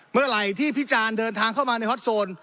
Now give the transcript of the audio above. เมื่อไหร่ที่พิจารณ์เดินทางเข้ามาในฮอตโซน